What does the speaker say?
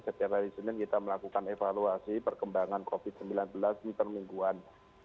setiap hari senin kita melakukan evaluasi perkembangan covid sembilan belas di permingguan